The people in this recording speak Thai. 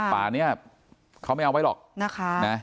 ป่านนี้เขาไม่เอาไว้หรอก